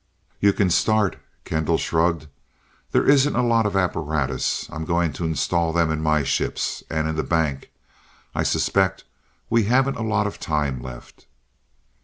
"You can start." Kendall shrugged. "There isn't a lot of apparatus. I'm going to install them in my ships, and in the bank. I suspect we haven't a lot of time left."